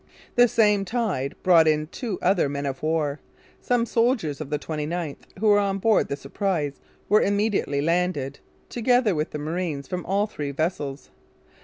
The same tide brought in two other men of war. Some soldiers of the 29th, who were on board the Surprise, were immediately landed, together with the marines from all three vessels.